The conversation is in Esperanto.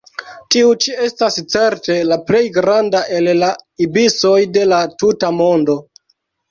Tiu ĉi estas certe la plej granda el la ibisoj de la tuta mondo.